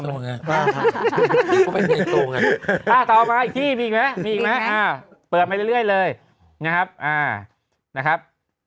ไม่ตรงอ่ะไม่ตรงอ่ะต่อมาอีกที่มีอีกมั้ยมีอีกมั้ยเปิดไปเรื่อยเลยนะครับ